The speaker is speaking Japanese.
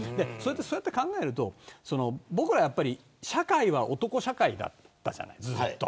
そうやって考えると社会は男社会だったじゃない、ずっと。